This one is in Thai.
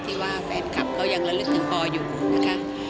ที่ว่าแฟนคลับเขายังระลึกถึงปออยู่นะคะ